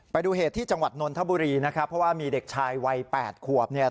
ไปดูเหตุที่จังหวัดนนทบุรีนะครับเพราะว่ามีเด็กชายวัย๘ขวบเนี่ย